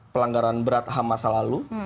pelanggaran berat ham masa lalu